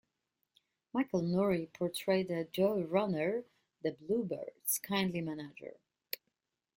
Michael Nouri portrayed the Joe Rohner, the Bluebirds' kindly manager.